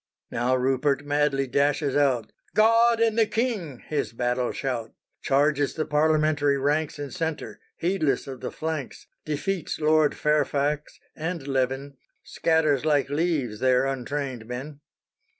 Now Rupert madly dashes out, "God and the King!" his battle shout; Charges the parliamentary ranks In centre, heedless of the flanks, Defeats Lord Fairfax and Leven, Scatters like leaves their untrained men.